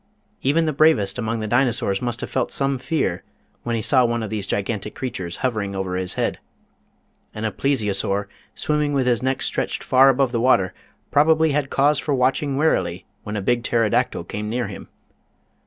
Even the bravest among the Dinosaurs must have felt some fear when he saw one of these gigan tic creatures hovering over his head. And a Plesio saur, swimming with his neck stretched far above the water, probably had cause for watching warily when a big Pterodactyl came near him.